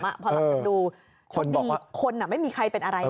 พอหลังจากดูโชคดีคนไม่มีใครเป็นอะไร